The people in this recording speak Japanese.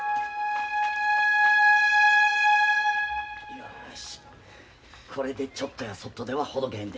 よしこれでちょっとやそっとではほどけへんで。